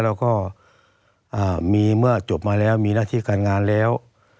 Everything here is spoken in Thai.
แล้วก็มีเมื่อจบมาแล้วมีหน้าที่การงานแล้ว